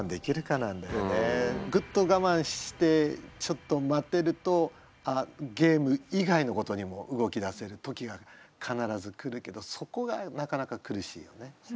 グッと我慢してちょっと待てるとゲーム以外のことにも動きだせる時が必ず来るけどそこがなかなか苦しいよね。